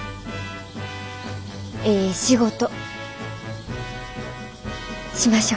ええ仕事しましょう！